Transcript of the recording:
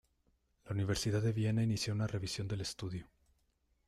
La Universidad de Viena inició una revisión del estudio.